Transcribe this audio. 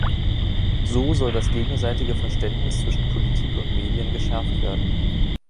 So soll das gegenseitige Verständnis zwischen Politik und Medien geschärft werden.